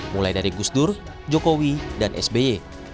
mulai dari gus dur jokowi dan sby